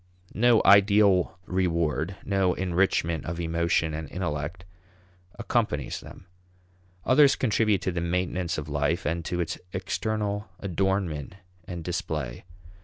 No ideal reward, no enrichment of emotion and intellect, accompanies them. Others contribute to the maintenance of life, and to its external adornment and display.